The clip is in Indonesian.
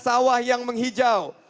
sawah yang menghijau